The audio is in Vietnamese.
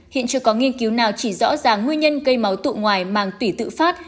hiện chưa có nghiên cứu nào chỉ rõ ràng nguyên nhân gây máu tụ ngoài mang tủy tự phát